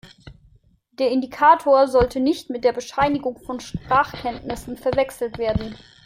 Der Indikator sollte nicht mit der Bescheinigung von Sprachkenntnissen verwechselt werden.